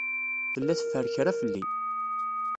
Tella teffer kra fell-i.